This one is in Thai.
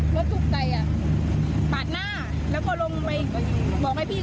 เพราะถูกทำร้ายเหมือนการบาดเจ็บเนื้อตัวมีแผลถลอก